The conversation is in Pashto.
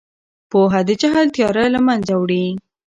پوهه د جهل تیاره له منځه وړي.